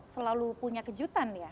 selalu punya kejutan ya